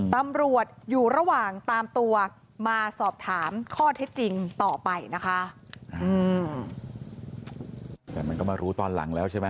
ตำรวจอยู่ระหว่างตามตัวมาสอบถามข้อเท็จจริงต่อไปนะคะ